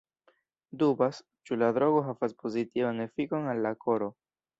Dubas, ĉu la drogo havas pozitivan efikon al la koro.